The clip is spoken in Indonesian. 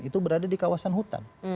itu berada di kawasan hutan